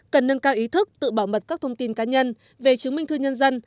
cần nâng cao ý thức tự bảo mật các thông tin cá nhân về chứng minh thư nhân dân